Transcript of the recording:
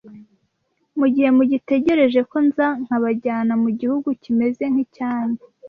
mu gihe mugitegereje ko nza nkabajyana mu gihugu kimeze nk’icyanyu,